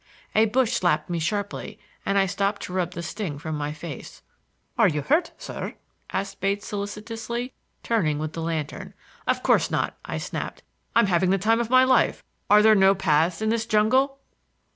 A bush slapped me sharply and I stopped to rub the sting from my face. "Are you hurt, sir?" asked Bates solicitously, turning with the lantern. "Of course not," I snapped. "I'm having the time of my life. Are there no paths in this jungle?"